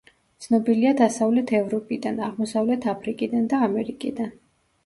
ცნობილია დასავლეთ ევროპიდან, აღმოსავლეთ აფრიკიდან და ამერიკიდან.